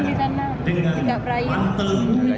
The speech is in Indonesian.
sampai sekarang teringat di bawah air lautnya kayak gimana